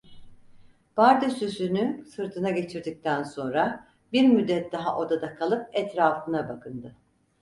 Pardösüsünü sırtına geçirdikten sonra bir müddet daha odada kalıp etrafına bakındı.